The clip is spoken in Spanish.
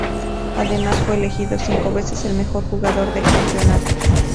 Además fue elegido cinco veces el mejor jugador del campeonato.